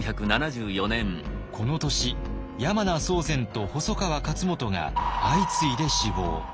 この年山名宗全と細川勝元が相次いで死亡。